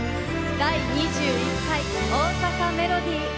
「第２１回大阪メロディー」。